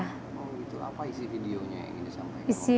oh gitu apa isi videonya yang dia sampaikan